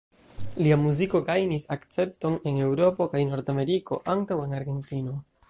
Lia muziko gajnis akcepton en Eŭropo kaj Nord-Ameriko antaŭ en Argentino.